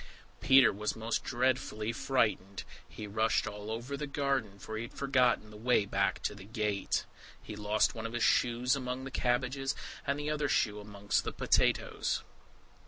Peter was most dreadfully frightened; he rushed all over the garden, for he had forgotten the way back to the gate. He lost one of his shoes among the cabbages, and the other shoe amongst the potatoes.